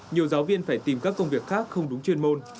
nhiều giáo viên phải tìm các công việc khác không đúng chuyên môn